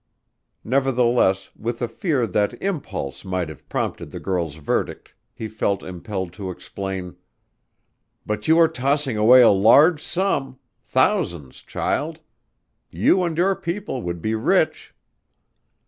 Nevertheless with a fear that impulse might have prompted the girl's verdict, he felt impelled to explain: "But you are tossing away a large sum thousands, child! You and your people would be rich."